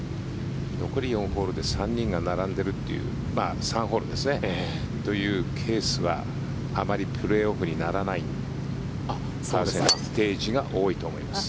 残り３ホールで３人が並んでいるというケースはあまりプレーオフにならないことが多いと思います。